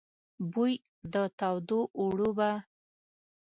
بوی د تودو اوړو به،